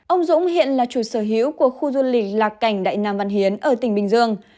ông dũng hiện là chủ sở hữu của khu du lịch lạc cảnh đại nam văn hiến ở tỉnh bình dương